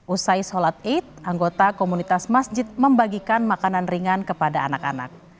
usai sholat id anggota komunitas masjid membagikan makanan ringan kepada anak anak